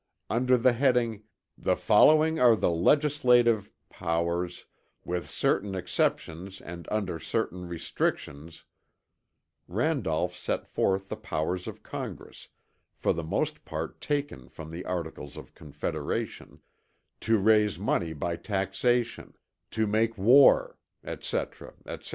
Under the heading, "The following are the legislative [powers] with certain exceptions and under certain restrictions," Randolph set forth the powers of Congress, for the most part taken from the Articles of Confederation, "To raise money by taxation"; "To make war," etc., etc.